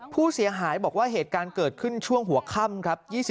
ผู้เสียหายบอกว่าเหตุการณ์เกิดขึ้นช่วงหัวค่ำครับ